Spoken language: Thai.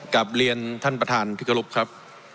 กับเรียนท่านประธานพิการุปครับ